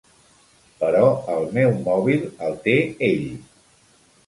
Però el meu mòbil el té ell.